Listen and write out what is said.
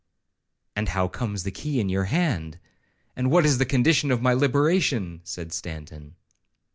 '—'And how comes the key in your hand? and what is the condition of my liberation?' said Stanton.